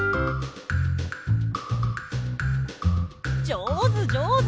じょうずじょうず！